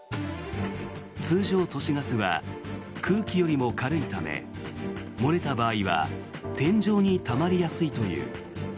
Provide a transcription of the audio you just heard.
通常、都市ガスは空気よりも軽いため漏れた場合は天井にたまりやすいという。